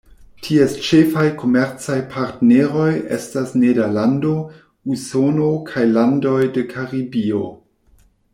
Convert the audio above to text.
Ties ĉefaj komercaj partneroj estas Nederlando, Usono kaj landoj de Karibio.